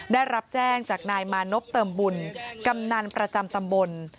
ได้รับแจ้งจากนายมานพเติมบุญกำนันประจำตำบล